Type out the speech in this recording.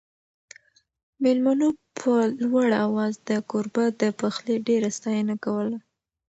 مېلمنو په لوړ اواز د کوربه د پخلي ډېره ستاینه کوله.